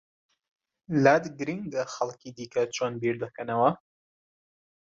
لات گرنگە خەڵکی دیکە چۆن بیر دەکەنەوە؟